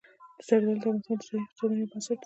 زردالو د افغانستان د ځایي اقتصادونو یو بنسټ دی.